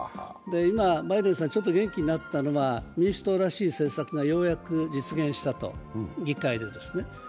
今、バイデンさん、ちょっと元気になったのが民主党らしい政策がようやく実現したと、議会でですね